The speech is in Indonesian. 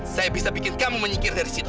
saya bisa bikin kamu menyikir dari situ